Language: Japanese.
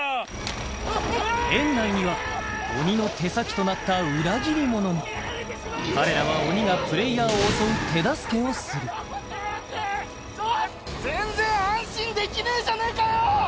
園内には鬼の手先となった裏切り者も彼らは鬼がプレイヤーを襲う手助けをする全然安心できねえじゃねえかよ！